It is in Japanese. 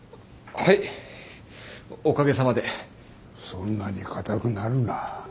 そんなに硬くなるな。